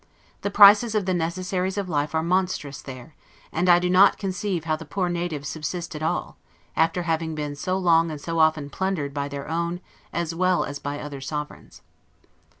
The prices of the necessaries of life are monstrous there; and I do not conceive how the poor natives subsist at all, after having been so long and so often plundered by their own as well as by other sovereigns.